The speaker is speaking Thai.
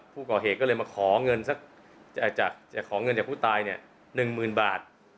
ผู้ก่อเหตุก็เลยมาขอเงินจากผู้ตาย๑๐๐๐๐บาท